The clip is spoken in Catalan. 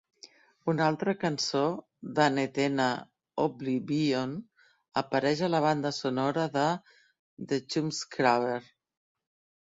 Una altra cançó d"Annetenna "Oblivion" apareix a la banda sonora de "The Chumscrubber".